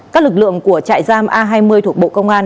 các lực lượng của trại giam a hai mươi thuộc bộ công an